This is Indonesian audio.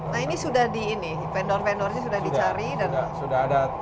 nah ini sudah di ini pendor pendornya sudah dicari